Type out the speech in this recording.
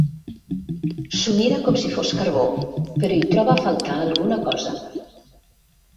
S'ho mira com si fos carbó, però hi troba a faltar alguna cosa.